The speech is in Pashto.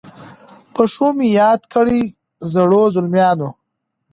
په ښو مي یاد کړی زړو، زلمیانو